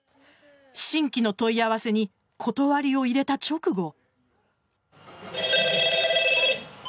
新規の問い合わせに断りを入れた直後。